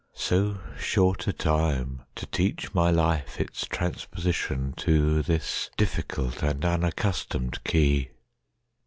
—So short a timeTo teach my life its transposition toThis difficult and unaccustomed key!